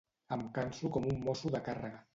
Em canso com un mosso de càrrega.